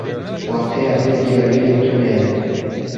Wateya vê diyariyê tune ye.